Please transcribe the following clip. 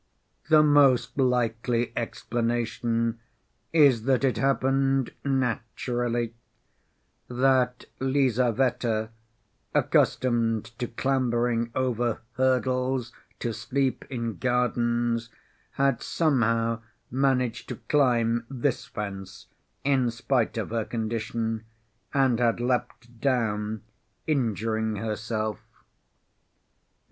The most likely explanation is that it happened naturally—that Lizaveta, accustomed to clambering over hurdles to sleep in gardens, had somehow managed to climb this fence, in spite of her condition, and had leapt down, injuring herself.